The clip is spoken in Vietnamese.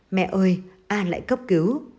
mẹ ơi a lại cấp cứu